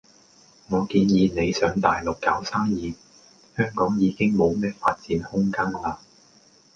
我建議你上大陸搞生意，香港已經冇咩發展空間喇。